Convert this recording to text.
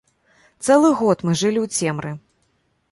Цэлы год мы жылі ў цемры.